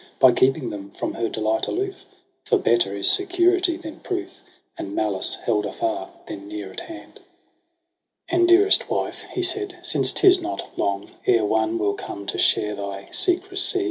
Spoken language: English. By keeping them from her delight aloof: For better is security than proof. And malice held afar than near at hand. JUNE • 117 18 ' And, dearest wife,' he said, ' since 'tis not long Ere one will come to share thy secrecy.